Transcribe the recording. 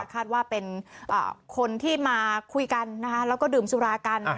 คาดว่าเป็นคนที่มาคุยกันดื่มซุรากัน